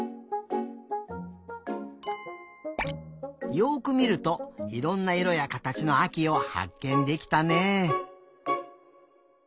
よくみるといろんないろやかたちのあきをはっけんできたね。